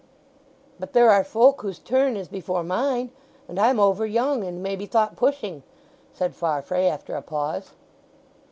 "But there are folk whose turn is before mine; and I'm over young, and may be thought pushing!" said Farfrae after a pause.